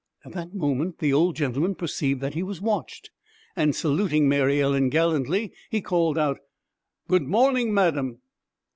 At that moment the old gentleman perceived that he was watched, and saluting Mary Ellen gallantly, he called out, 'Good morning, madam!'